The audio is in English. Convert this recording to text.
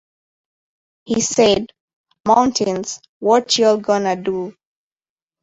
He said, 'Mountains, what y'all gonna do?